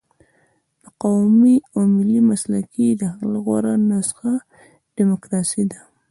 د قومي او ملي مسلې د حل غوره نسخه ډیموکراسي ده.